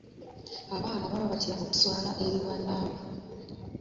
abaana baba batya okuswala eri bannaabwe.